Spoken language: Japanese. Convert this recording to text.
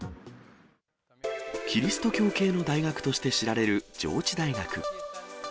キリスト教系の大学として知られる上智大学。